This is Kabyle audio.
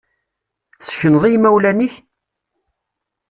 Tessekneḍ i imawlan-ik?